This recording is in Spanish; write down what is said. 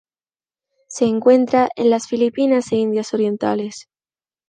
Se encuentra en las Filipinas e Indias Orientales.